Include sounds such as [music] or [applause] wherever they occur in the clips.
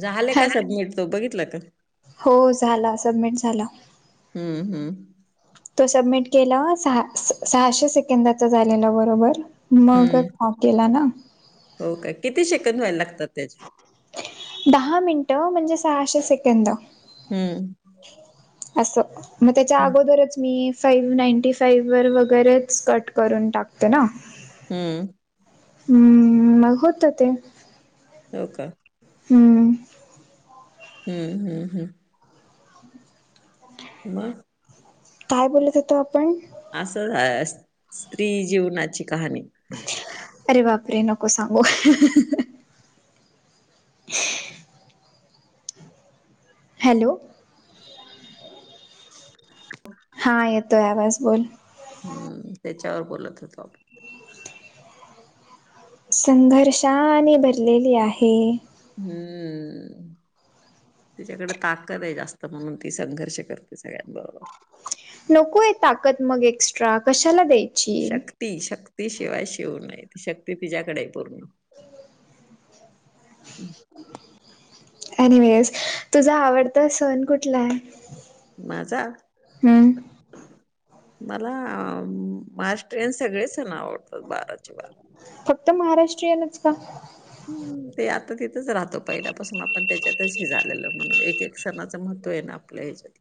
झाले हॅ का सबमिट, तो बघितला का? हो... झाला सबमिट झाला. ह्म्म्.. ह्म्म्म.. तो सबमिट केला, सहा... सहाशे सेकंदाचा झालेला बरोबर हम्म. मगच हाफ गेला ना. हो, का... किती सेकंद व्हायला लागतात त्याचे? दहा मिनिटं म्हणजे सहाशे सेकंद. ह्म्म्म अस... मग त्याच्या अगोदरच मी साईन... नाईंटी साईज वर वगैरेच कट करून टाकते ना. हूं हूं... मग होतं ते हो... का? हू हूं.. हूं.. हूं.. मग काय बोलत होतो आपण? असं हाय... स्त्री जीवनाची कहाणी. अरे बापरे!.. नको सांगू ह्.. ह्.. हॅलो! [unintelligible] हा.. येतोय आवाज बोला. हूं.. त्याच्यावर बोलत होताव. [unintelligible] संघर्षा.. नी भरलेली आहे. ह्.... तिच्याकडं ताकद आहे जास्त, म्हणून ती संघर्ष करते सगळ्यांबरोबर. नको आहे ताकद मग एक्स्ट्रा.. कशाला दे. शक्ती... शक्ती शिवाय शिव नाहीत, शक्ती तिच्याकडे आहे पूर्ण. [unintelligible] अनिवेज... तुझा आवडता सण कुठला आहे? माझा हम्म मला... अ.. महाराष्ट्रीयन सगळे सण आवडतात बाराचे- बारा. फक्त महाराष्ट्रीयनच का? हम्म ते आता तिथंच राहतो पहिल्यापासून आपण त्याच्यातच हे झालेलं म्हणून एक- एक सणाचं महत्त्व आहे ना आपल्या ह्याच्यात.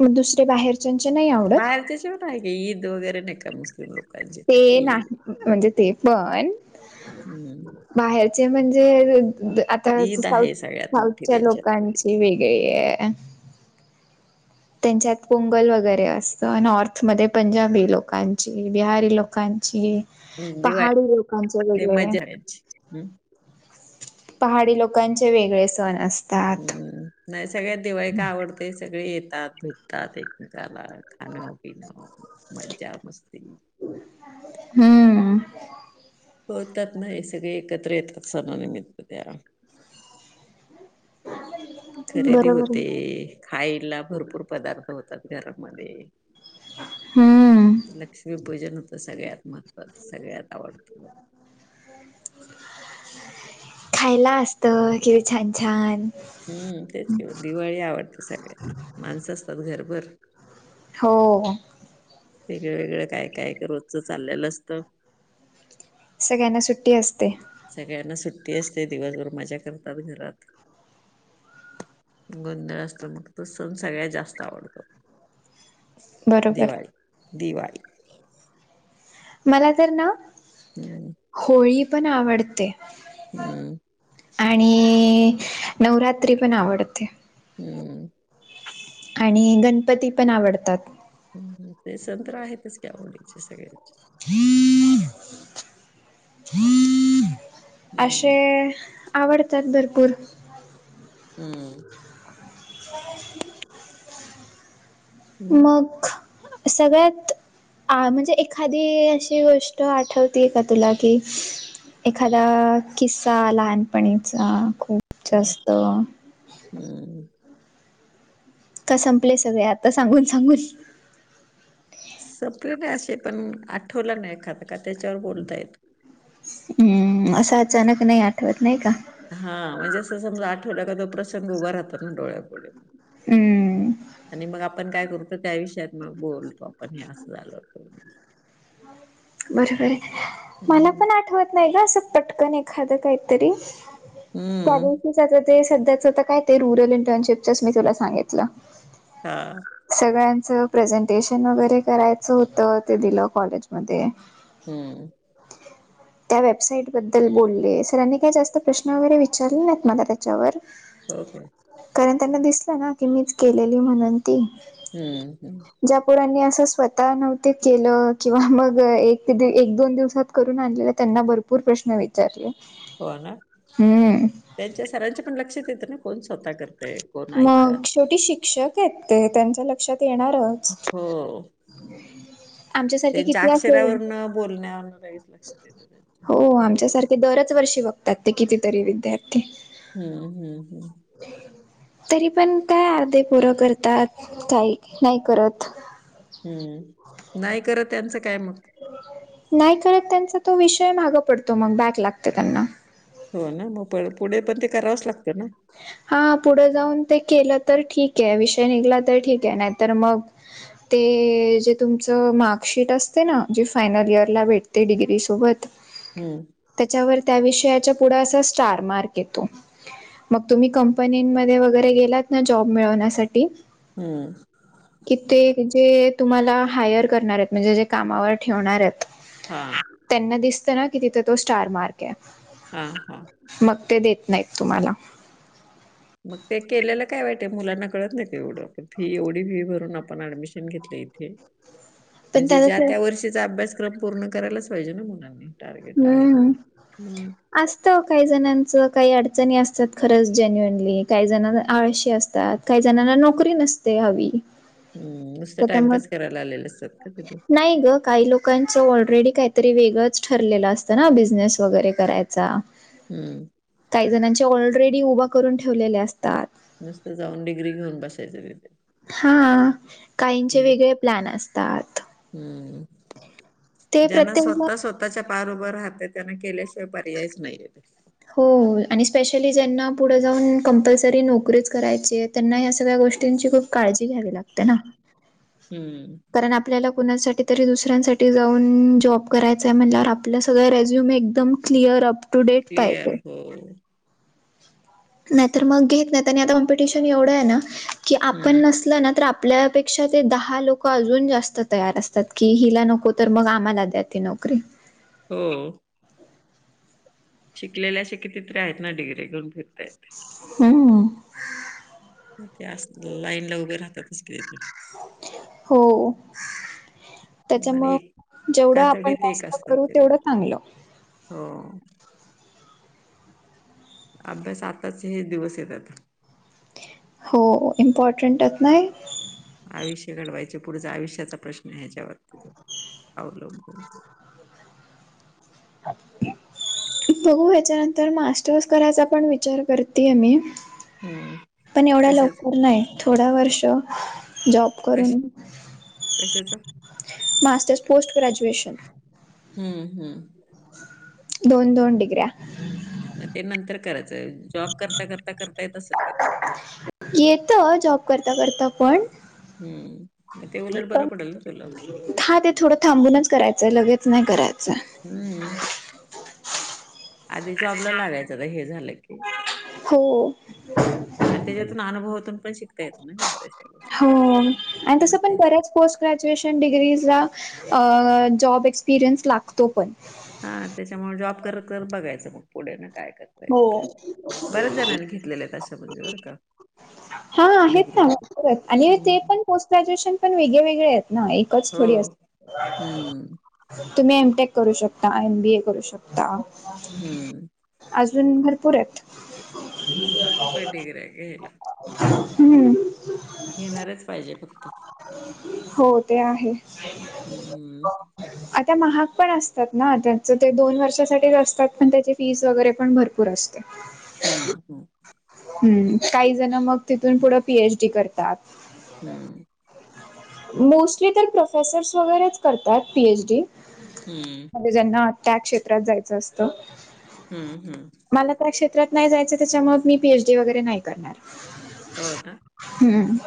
मग दुसरी बाहेर चुन -चुनया बाहेर कशाला पाहीजे ईद वगैरे बेकार मुस्लिम लोक ते नाही... म्हणजे ते पण हम्म बाहेरचे म्हणजे आं तसेंच ईद साऊथ, आहे सगळ्यात मोठी साऊथच्या त्यांच्यातली लोकांची वेगळी ए. त्यांच्यात पोंगल वगैरे असतं, नॉर्थमध्ये पंजाबी लोकांची, बिहारी लोकांची दिवाळी पहाडी लोकांचे ते वेगळ्या मजा याची. हम्म पहाडी लोकांचे वेगळे सण अस हम्म, नाही सगळ्यात दिवाळी का आवडते सगळे येतात, भेटतात एकमेकाला. खानपिणं, मज्जा- मस्ती हम्म. होय कात नय, सगळे एकत्र येतात सणा निमित्त त्या खरेदी बरोबर होते, आहे. खायला भरपूर पदार्थ होतात घरामध्ये. हम्म. लक्ष्मीपूजन होतं, सगळ्यात महत्त्वाचं सगळ्यात आवडतं. खायला असतं, किती छान- छान. हम्म तेच की दिवाळी आवडते सगळ्यात, माणसं असतात घरभर. हो. वेगळं- वेगळं, काय- काय ते रोजचं चाललेलं असतं. सगळ्यांना सुट्टी असते. सगळ्यांना सुट्टी असते, दिवसभर मजा करतात घरात. गोंधळ असतो, मग तो सण सगळ्यात जास्त आवडतो. बरोबर. दिवाळी- दिवाळी मला तर ना [inaudible] होळी पण आवडते. हम्म. आणि नवरात्री पण आवडते. हम्म. आणि गणपती पण आवडतात. हं ते सण तर आहेतच की आवडीचे सगळ्यांचे. आशे हम्म आवडतात भरपूर. हम्म. [inaudible] मग सगळ्यात आ म्हणजे एखादी अशी गोष्ट आठवतीय का, तुला की एखादा किस्सा लहानपणीचा खूप हम्म जास्त हम्म. का संपले सगळे आता सांगून- सांगून. संपले नाय अशे पण, आठवलं ना एखादं का त्याच्यावर बोलता येत. हम्म, असं अचानक नाही आठवत, नई का. हा म्हणजे असं समजा, आठवला का तो प्रसंग उभा राहतो ना डोळ्यापुढं. हम्म. आणि मग आपण काय करतो, त्या विषयातनं बोलतो आपण हे असं झालं बरोबर हे, मला हं, पण आठवत नाही गं असं पटकन एखादं काहीतरी. हं, कॉलेज दिवसाचं ते सध्याच तर काय ते रूरल इंटर्नशिपचचं मी तुला सांगितलं. हा. सगळ्यांचं प्रेझेंटेशन वगैरे करायचं होतं, ते दिलं कॉलेजमध्ये. हम्म त्या वेबसाईट बद्दल बोलले सरांनी काही जास्त प्रश्न वगैरे विचारले नाहीत नां त्याच्यावर. ओके कारण त्यांना दिसता ना की मीच केलेली म्हणून ती. हम्म हम्म ज्या पोरांनी असं स्वतः नव्हत केलं किंवा मग. एक दोन दिवसात करून आणलेला त्यांना भरपूर प्रश्न व- - चारलं हो ना. हम्म त्यांच्या सरांच्या पण लक्षात येतं ना कोण स्वतः करतेय कोण ऐकतय. ते शेवटी शिक्षक आहेत ते त्यांच्या लक्षात येणारं. हो आमच्या सारखे त्यांच्या किती असेल अक्षरावरनं बोलण्यावरनं लगेच लक्षात येतं त्यांच्या. हो हं, आमच्यासारखे दरच वर्षी बघ- - त्यात ते कितीतरी विद्यार्थी. हम्म हम्म हम्म तरी पण काय अर्धे पोरं करतात. काही नाही करत हम्म नाही करत त्यांचं काय मग, नाही करत त्यांचा तो विषय माग पडतो मग बॅक लागते त्यांना. हो ना मग प पुढे पण ते करावंच लागतं ना. हा पुढे जाऊन ते केलं तर ठीक आहे विषय निघला तर ठीक आहे नाहीतर मग. ते जे तुमचं मार्कशीट असते ना जी फायनल इयरला भेटते डिग्रीसोबत. हम्म त्यांच्यावर त्या विषयाचा पुढा असा स्टारमार्क येतो. मग तुम्ही कंपनीमध्ये वगैरे गेलात ना जॉब मिळवण्यासाठी हम्म की ते जे तुम्हाला हायर करणार आहेत म्हणजे जे कामावर ठेवणार आहेत. हा त्यांना दिसतं ना कि तिथं तो स्टार मार्क आहे. हा हा मग ते देत नाहीत तूम्हला. मग ते केलेला काय वाईट आहे मुलांना कळत नाही का एवढं फी एवढी फी भरून ऍडमिशन घेतलं ईथे. ह [inaudible] म्हणजे ज्या त्या वर्षीचा अभ्यासक्रम पूर्ण करायलाच पाहिजे ना मुलांनी टार्गेट आहे ते हम्म हम्म असत काही जणांचं काही अडचणी असतात खरंच जेन्युअनली काही जण आळशी असतात. काही जणांना नोकरी नसते हवी. नुसतं त्याच्यामुळे टाइमपास करायला असतात का तिथून नाही ग काही लोक. लोकांच ऑलरेडी काहीतरी ठरलेलं असतं ना बिझनेस वगैरे करायचा. हम्म काही जणांचे ऑलरेडी उभा करून ठेवलेले असतात. नुसतं जाऊन डिग्री घेऊन बसायचं तिथे. हा काहींचे हम्म वेगळे प्लॅन असतात. हम्म ते ज्यांना प्रत्येक जण स्वतः स्व- - स्वतःच्या पाया वर हूबा राहते त्याना केल्याशिवाय पर्यायच नाहीय. हो आणि स्पेशली ज्यांना पुढे जाऊन कॉम्पल्सरी नोकरीच करायची आहेत. त्यांना या सगळ्या गोष्टींची खूप काळजी घ्यावी लागते ना. हम्म कारण आपल्याला कुणासाठी तरी दुसऱ्यांसाठी जाऊन... जॉब करायचा आहे म्हणल्यावर आपलं सगळं रेझ्युम एकदम clear up to date clear पाहिजे हो नाहीतर मग घेत नाहीत, आणि आता कॉम्पेटिशन एवढं आहे ना की आपण हम्म नसलं ना तर आप आपल्यापेक्षा ते दहा लोक अजून जास्त तयार असतात, की हिला नको तर मग आम्हाला द्या ती नोकरी हो शिकलेल्या आशे किती तरी आहेत ना, डिग्री घेऊन फिरतायत. हम्म ते अस लाईन ला उभे राहतात. हो आणि एका त्याच्यामुळं जेवढं आपण आठवड्यात एक जास्त असतात करू ते लोक. तेवढं चांगलं हो अभ्यास आताच हे दिवस येतात. हो... इम्पॉर्टंट त नाही. आयुष्य घडवायचे पुढचा आयुष्याचा प्रश्न ह्याच्यावरती... अवलंबून [unintelligible] अभ्यास बघू ह्याच्यानंतर मास्टर्स करायचा पण विचार करतेय मी. हम्म पण एवढ्या कशाच लवकर नाही, थोड वर्ष जॉब कश करून.... कशाच मास्टर्स पोस्ट ग्रॅज्युएशन. हम्म.. हम्म.. दोन- दोन डिग्र्या मग ते नंतर करायचं, जॉब करता -करता.. करता येत असेल की ते. येत, जॉब करता- करता पण हम्म.. ते उलट बर पडेल ना तुला. था.. ते, थोडं थांबूनच करायचंय लगेच नाही करायचंय. हम्म आधी जाॅबला लागायचं आता हे झालं की. हो आणि त्यांच्यातून अनुभवातून पण शिकता येत ना बऱ्याचशा गोष्टी.. हो आणि म तसं पण तेच बऱ्याच पोस्ट ग्रॅज्युएशन डिग्रीजला अ.. जॉब एक्सपिरियन्स लागतो पण हा त्यांच्यामुळे जॉब करत -करत बघायचं मग पुढे ना काय हो करा बऱ्याच जणांनी घेतलेल्या आहे तशं म्हणजे बरं का हा आहेत डिग्री ना... आणि ते हम्म पण पोस्ट ग्रॅज्युएशन पण वेगळे- वेगळे आहेत. नाही एकच हो थोडी अस हम्म तुम्ही एम. टेक करू शकता, एम. बी. ए. करू शकता. हम्म अजून भरपूरयत. खूपय डिग्राया घ्यायला. हम्म घेणारच पाहिजे फक्त हो... ते आहे. हम्म आता महाग पण असतात ना त्याचं ते दोन वर्षासाठीच असतात पण त्यांची फीस वगैरे पण भरपूर असतात. [unintelligible] हम्म हम् हम्म काही जण मग तिथून पुढं पीएच डी करतात. हम्म मोस्टली तर प्रोफेसर्स वगैरेच करतात पीएच डी. हम्म. म्हणजे ज्यांना त्या क्षेत्रात जायचं असतं. हम्म हम्म. मला त्या क्षेत्रात नाही जायचं त्याच्यामुळे मी पी एच डी वगैरे नाही करणार. हो ना. हम्.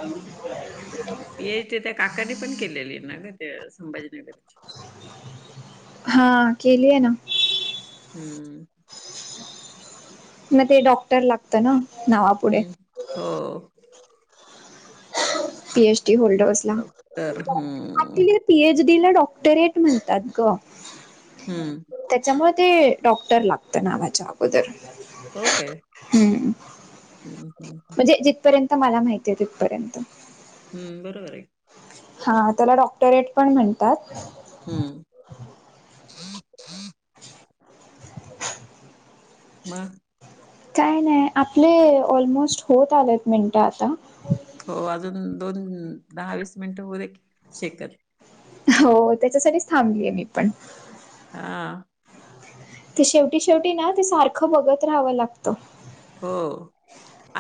ये त्या काकानी पण केलेली ना ग ते संभाजीनगरची. हा केली आहे ना. हम्म. मग ते डॉक्टर लागतं ना नावा हम् हो. पीएचडी होल्डर्सला. डॉक्टर हम्म पी एच डी ला डॉक्टरेट म्हणतात ग. हम्म. त्याच्यामुळे ते डॉक्टर लागत नावाच्या अगोदर. हो काय हम् हम्म हम्म म्हणजे जिथपर्यंत तर मला माहिती आहे तिथपर्यंत. हम्म बरोबर आहे. हा त्याला डॉक्टरेट पण म्हणतात. हम्म. [inaudible] म. काय नाही आपले ऑलमोस्ट होत आलेत मिनिट आता. हो अजून दोन दहा वीस मिनिटं होऊ दे की सेकंद. हो त्याच्यासाठीच थांबलीय मी पण. हा. ते शेवटी शेवटी ना ते सारखं बघत राहावं लागतं. हो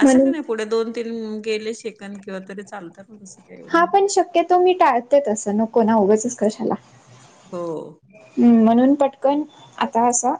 असं का म्हणून नाही पुढे दोन तीन गेले शेक किंवा तरी चालत ना तस काय एवढं हे नाही. ते तुम्ही टाळ ते तस नको ना उगंचच कशाला. हो. हम्म म्हणून पटकन आता असं.